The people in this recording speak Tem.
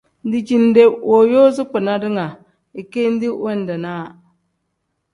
Dijinde wooyoozi kpina ringa ikendi wendeenaa.